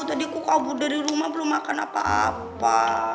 tadi aku kabur dari rumah belum makan apa apa